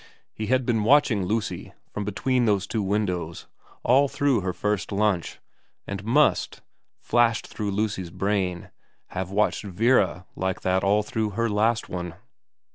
He had been watching Lucy from between those two windows all through her first lunch, and must, flashed through Lucy's brain, have watched Vera like that all through her last one.